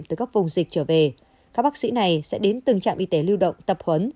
từ các vùng dịch trở về các bác sĩ này sẽ đến từng trạm y tế lưu động tập huấn